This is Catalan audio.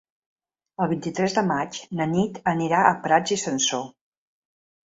El vint-i-tres de maig na Nit anirà a Prats i Sansor.